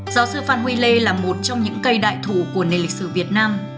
giáo sư phan huy lê là một trong những cây đại thủ của nền lịch sử việt nam